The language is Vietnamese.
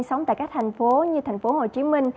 sống tại các thành phố như tp hcm